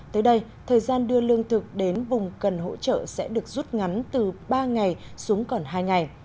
tới đây thời gian đưa lương thực đến vùng cần hỗ trợ sẽ được rút ngắn từ ba ngày xuống còn hai ngày